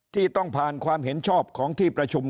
ที่ต้องผ่านความเห็นชอบของที่ประชุม